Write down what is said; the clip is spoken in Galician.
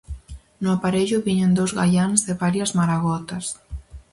No aparello viñan dous gaiáns e varias maragotas.